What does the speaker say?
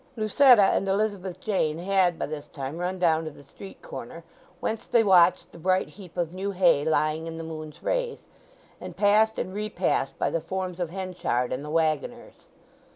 Lucetta and Elizabeth Jane had by this time run down to the street corner, whence they watched the bright heap of new hay lying in the moon's rays, and passed and repassed by the forms of Henchard and the waggoners.